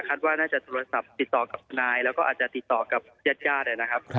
ว่าน่าจะโทรศัพท์ติดต่อกับนายแล้วก็อาจจะติดต่อกับญาติญาตินะครับ